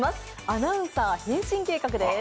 アナウンサー変身計画です。